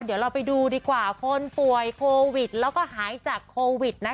เดี๋ยวเราไปดูดีกว่าคนป่วยโควิดแล้วก็หายจากโควิดนะคะ